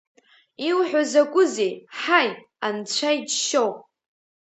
Иуҳәо закәызеи, ҳаи, анцәа иџьшьоуп!